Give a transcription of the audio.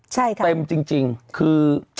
ใช่ค่ะเต็มจริงคือ